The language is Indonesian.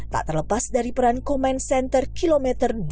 tak terlepas dari peran command center km dua puluh sembilan